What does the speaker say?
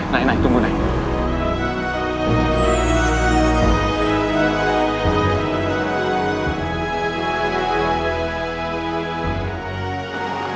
naik naik tunggu naik